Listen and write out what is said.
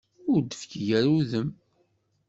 Ur d-tefki ara udem.